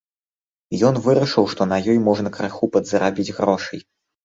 Ён вырашыў, што на ёй можна крыху падзарабіць грошай.